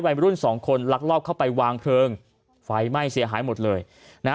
วัยรุ่นสองคนลักลอบเข้าไปวางเพลิงไฟไหม้เสียหายหมดเลยนะ